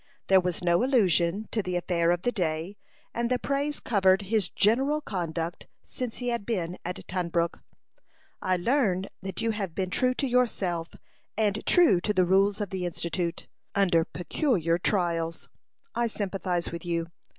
There was no allusion to the affair of the day, and the praise covered his general conduct since he had been at Tunbrook. "I learn that you have been true to yourself, and true to the rules of the Institute, under peculiar trials. I sympathize with you.